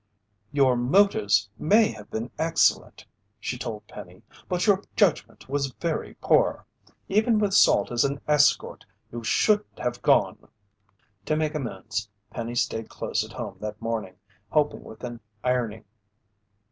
"Your motives may have been excellent," she told Penny, "but your judgment was very poor. Even with Salt as an escort you shouldn't have gone." To make amends, Penny stayed close at home that morning, helping with an ironing.